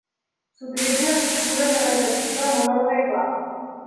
S'utilitzen estructures de repetició amb un ordre clar.